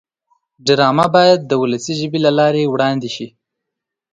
ډرامه باید د ولسي ژبې له لارې وړاندې شي